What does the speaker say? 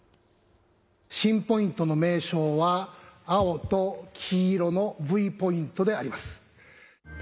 新ポイントの名称は、青と黄色のＶポイントであります。